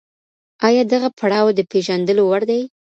آيا دغه پړاو د پېژندلو وړ دی؟